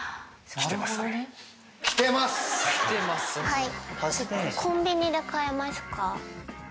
はい。